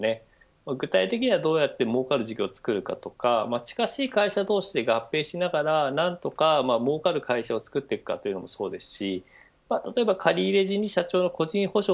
具体的にはどうやってもうかる事業を作るかとか親しい会社同士で合併しながら何とか儲かる会社を作るかというのもそうです。